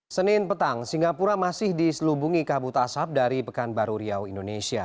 senin petang singapura masih diselubungi kabut asap dari pekanbaru riau indonesia